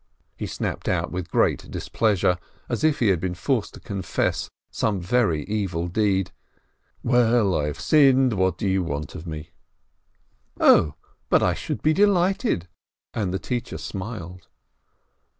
he snapped out with great dis pleasure, as if he had been forced to confess some very evil deed. "Well, I have sinned — what do you want of me?" "Oh, but I should be delighted!" and the teacher smiled.